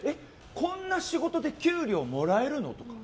こんな仕事で給料もらえるの？